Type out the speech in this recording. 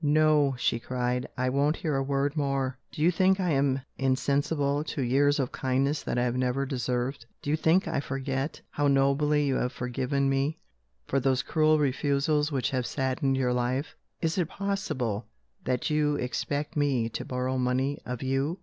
"No," she cried, "I won't hear a word more! Do you think I am insensible to years of kindness that I have never deserved? Do you think I forget how nobly you have forgiven me for those cruel refusals which have saddened your life? Is it possible that you expect me to borrow money of You?"